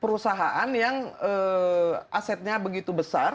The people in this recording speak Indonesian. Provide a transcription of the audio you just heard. perusahaan yang asetnya begitu besar